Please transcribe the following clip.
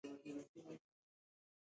ایا میلمانه مو خوښیږي؟